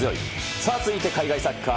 さあ続いて海外サッカー。